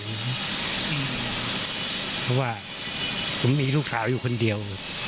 เพราะว่าผมมีลูกสาวอยู่คนเดียว